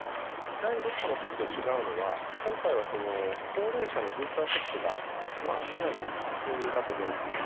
第６波のときと違うのは、今回は高齢者のブースター接種がかなり進んだと思います。